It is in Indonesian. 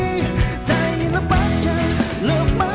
jangan lupa jangan lupa